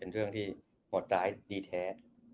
เป็นเรื่องที่หมดรายดีแท้